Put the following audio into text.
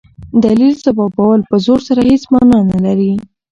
دلیل ځوابول په زور سره هيڅ مانا نه لري.